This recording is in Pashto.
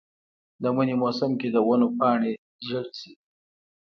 د منې موسم کې د ونو پاڼې ژیړې شي.